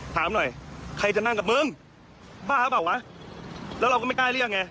ถามหน่อยใครจะนั่งกับมึงบ้าหรือเปล่าวะแล้วเราก็ไม่กล้าเรียกไง